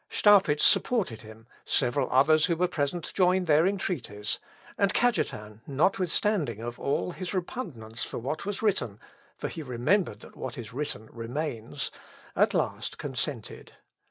Staupitz supported him; several others who were present joined their entreaties, and Cajetan, notwithstanding of all his repugnance for what was written, (for he remembered that what is written remains,) at last consented.